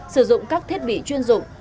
sử dụng các thiết bị chuyên dụng